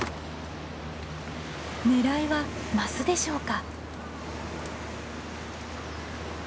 狙いはマスでしょうか？